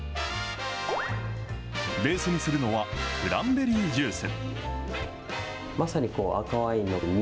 ベースにするのはクランベリージュース。